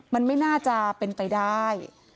มันไม่น่าจะเป็นไปได้